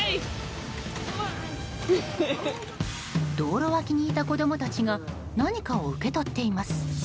道路脇にいた子供たちが何かを受け取っています。